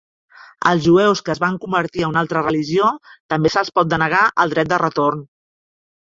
Els Jueus que es van convertir a una altra religió també se'ls pot denegar el dret de retorn.